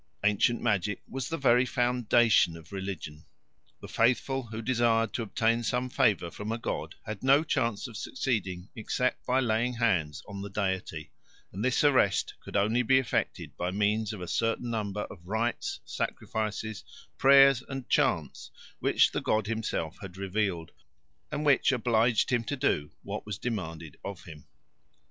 Ancient magic was the very foundation of religion. The faithful who desired to obtain some favour from a god had no chance of succeeding except by laying hands on the deity, and this arrest could only be effected by means of a certain number of rites, sacrifices, prayers, and chants, which the god himself had revealed, and which obliged him to do what was demanded of him."